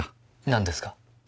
何ですか？